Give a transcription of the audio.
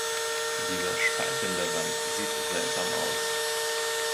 Dieser Spalt in der Wand sieht seltsam aus.